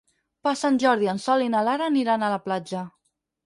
Per Sant Jordi en Sol i na Lara aniran a la platja.